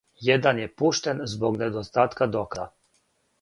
Један је пуштен због недостатка доказа.